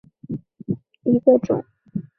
川滇无患子为无患子科无患子属下的一个种。